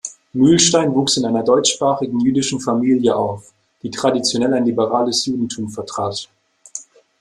Mühlstein wuchs in einer deutschsprachigen jüdischen Familie auf, die traditionell ein liberales Judentum vertrat.